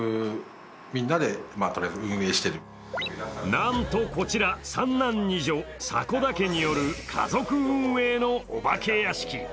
なんと、こちら三男二女迫田家による家族運営のお化け屋敷。